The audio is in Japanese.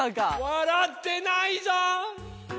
・わらってないぞ。